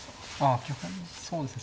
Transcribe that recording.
あ基本そうですね